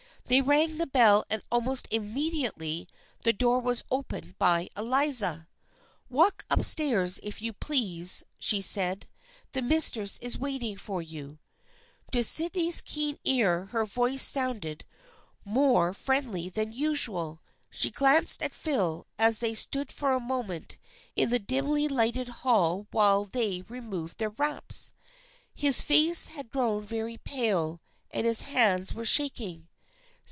They rang the bell and almost immediately the door was opened by Eliza. " Walk up stairs, if you please," she said. " The mistress is waiting for you." To Sydney's keen ear her voice sounded more 314 THE FRIENDSHIP OF ANNE friendly than usual. She glanced at Phil as they stood for a moment in the dimly lighted hall while they removed their wraps. His face had grown very pale, and his hands were shaking.